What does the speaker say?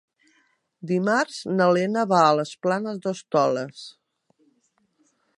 Dimarts na Lena va a les Planes d'Hostoles.